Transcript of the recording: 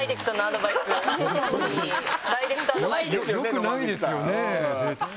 良くないですよね絶対。